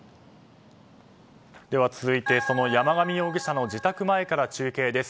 では続いて山上容疑者の自宅前から中継です。